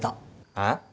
えっ？